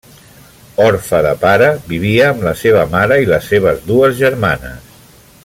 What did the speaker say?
Orfe de pare, vivia amb la seva mare i les seves dues germanes.